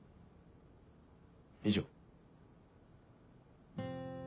以上。